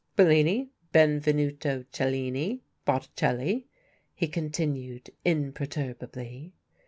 "Bellini, Benvenuto Cellini, Botticelli?" he continued imperturbably.